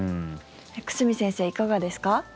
久住先生、いかがですか？